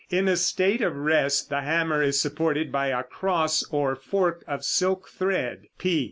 In a state of rest the hammer is supported by a cross or fork of silk thread, p.